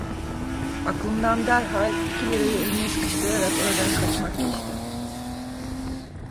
Aklımdan derhal iki lirayı eline sıkıştırarak oradan kaçmak geçti.